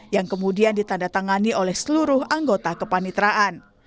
yang kemudian ditandatangani oleh seluruh anggota kepanitraan